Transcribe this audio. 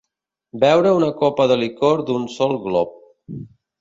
Beure una copa de licor d'un sol glop.